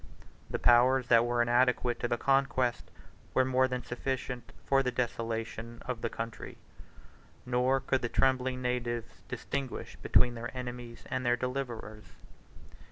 The powers that were inadequate to the conquest, were more than sufficient for the desolation, of the country; nor could the trembling natives distinguish between their enemies and their deliverers.